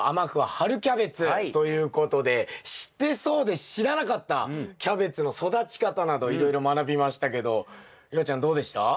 春キャベツ」ということで知ってそうで知らなかったキャベツの育ち方などいろいろ学びましたけど夕空ちゃんどうでした？